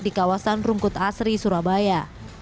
di kawasan rungkut asri surabaya